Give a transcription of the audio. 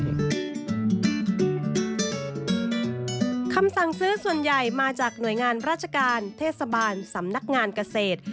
คำสั่งซื้อส่วนใหญ่มาจากหน่วยงานราชการเทศบาลสำนักงานเกษตร